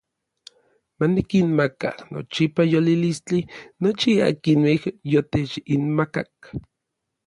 Ma nikinmaka nochipa yolilistli nochi akinmej yotechinmakak.